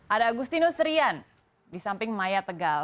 ada agustinus rian di samping maya tegal